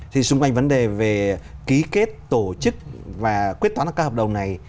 thì xung quanh vấn đề về ký kết tổ chức và quyết toán các hợp đồng này